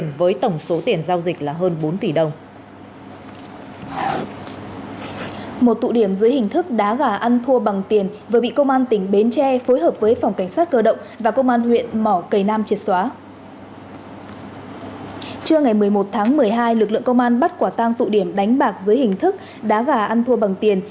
ngày một mươi một tháng một mươi hai lực lượng công an bắt quả tang tụ điểm đánh bạc dưới hình thức đá gà ăn thua bằng tiền